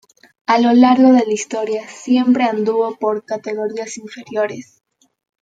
A lo largo de la historia siempre anduvo por categorías inferiores.